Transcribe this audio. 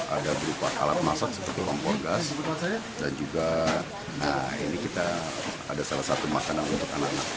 ada berupa alat masak seperti kompor gas dan juga nah ini kita ada salah satu makanan untuk anak anak